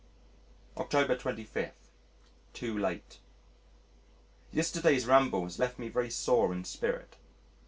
October 25. Too Late Yesterday's ramble has left me very sore in spirit.